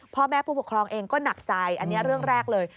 พ่อแม่ผู้ปกครองเองก็หนักใจอันนี้เรื่องแรกเลย